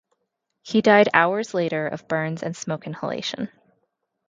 He died hours later of burns and smoke inhalation.